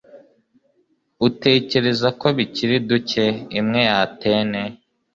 utekereza ko bikiri duke imwe ya atene